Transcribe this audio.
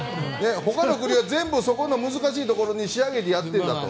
他の国はそこの難しいところ仕上げてやってるんだと。